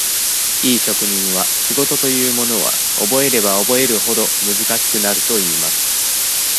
いい職人は、仕事というものは、覚えれば覚えるほど、難しくなるといいます。